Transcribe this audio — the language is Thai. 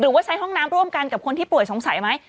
ว่าใช้ห้องน้ำร่วมกันกับคนที่ป่วยสงสัยไหม